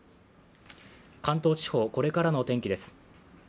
関東地方、これからの天気です。